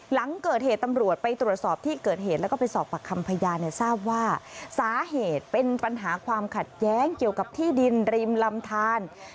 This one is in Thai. หลังเกิดเหตุตำรวจไปตรวจสอบที่เกิดเหตุแล้วก็ไปสอบปากคำพยานเนี่ยทราบว่าสาเหตุเป็นปัญหาความขัดแย้งเกี่ยวกับที่ดินริมลำทาน